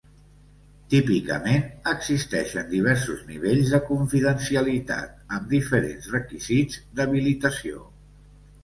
Típicament, existeixen diversos nivells de confidencialitat, amb diferents requisits d'habilitació.